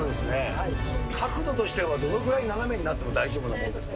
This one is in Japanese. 角度としてはどのくらい斜めになっても大丈夫なもんですか。